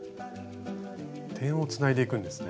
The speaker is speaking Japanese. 点をつないでいくんですね。